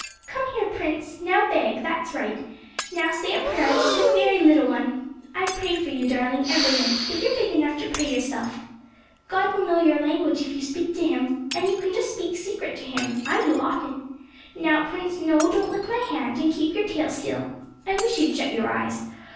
'Come here. Prince! Now beg! that's right. Now say a prayer; just a very little one. I pray for you, darling, every night; but you're big enough to pray yourself. God will know your language if you speak to Him, and you can just speak secret to Him I do often. Now, Prince no don't lick my hand, and keep your tail still. I wish you'd shut your eyes.